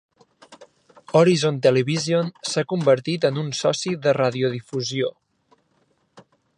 Horizon Television s'ha convertit en un soci de radiodifusió.